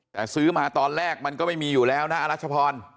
แต่ซื้อมาตอนแรกมันก็ไม่มีอยู่แล้วนะอรัชพร